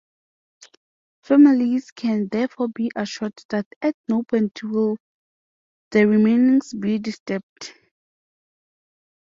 Families can therefore be assured that at no point will the remains be disturbed.